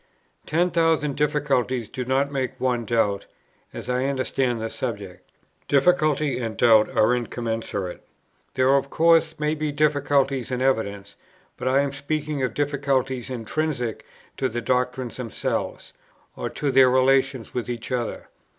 Ten thousand difficulties do not make one doubt, as I understand the subject; difficulty and doubt are incommensurate. There of course may be difficulties in the evidence; but I am speaking of difficulties intrinsic to the doctrines themselves, or to their relations with each other.